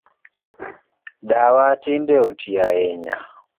Dawa tinde otii ahinya